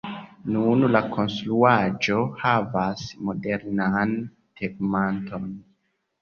Nun la konstruaĵo havas modernan tegmenton.